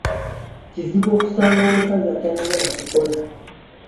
Kizibu okusanga omukazi atayagala kukola.